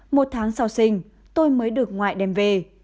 một tháng sau sinh tôi mới được ngoại đem về